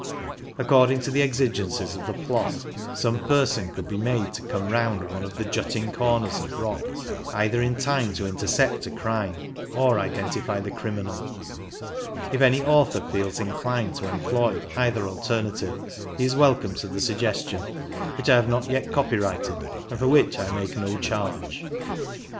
According to the exigencies of the plot some person could be made to come round one of the jutting corners of rock either in time to intercept a crime or identify the criminal ; if any author feels inclined to employ either alter native, he is welcome to the suggestion, which I have not yet copyrighted, and for which I make no charge